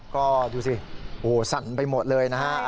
ก็ดูสิโอ้โหสั่นไปหมดเลยนะฮะ